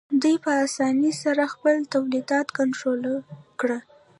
دوی په اسانۍ سره خپل تولیدات کنټرول کړل